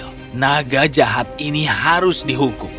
elang jahat ini harus dihukum